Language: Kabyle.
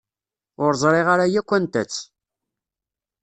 Ur ẓriɣ ara yakk anta-tt.